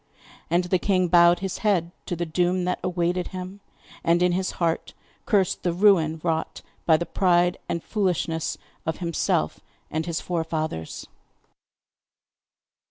And the king bowed his head to the doom that awaited him, and in his heart cursed the ruin wrought by the pride and foolishness of himself and his forefathers.